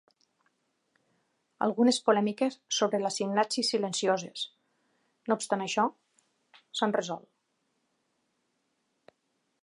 Algunes polèmiques sobre les sinapsis silencioses, no obstant això, s'han resolt.